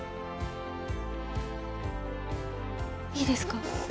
いいですか？